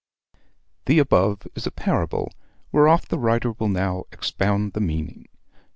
The above is a parable, whereof the writer will now expound the meaning.